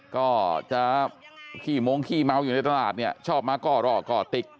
ก็จะขี้มงขี้เมาอยู่ในตลาดเนี่ยชอบมาก่อรอก่อติด